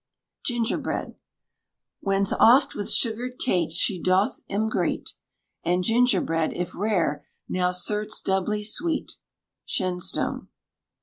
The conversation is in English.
GINGERBREAD. Whence oft with sugared cates she doth 'em greet, And gingerbread, if rare, now certes doubly sweet. SHENSTONE.